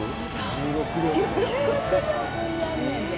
１６両分やんねんで。